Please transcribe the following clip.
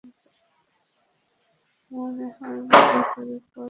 মনে হয় মজা করে কল করেছিল কেউ।